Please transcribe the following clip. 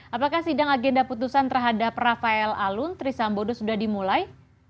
apakah sidang agenda putusan terhadap rafael alun trisambodo sudah dimulai